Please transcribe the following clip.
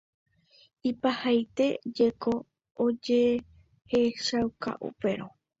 Ipahaite jeko ojehechauka upérõ.